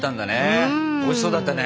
おいしそうだったね。